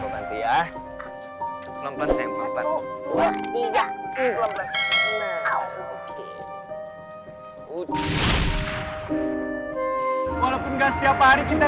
walaupun gak setiap hari kita berdua